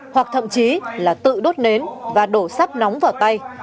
hoặc thậm chí là tự đốt nến và đổ sắt nóng vào tay